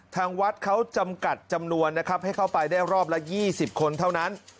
ทางวัดเขาจำกัดจำนวนนะครับให้เข้าไปได้รอบละ๒๐คนเท่านั้น